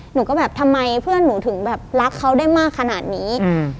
หนูก็แบบทำไมเพื่อนหนูถึงแบบรักเขาได้มากขนาดนี้